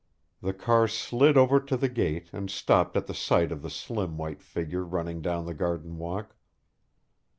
The car slid over to the gate and stopped at the sight of the slim white figure running down the garden walk.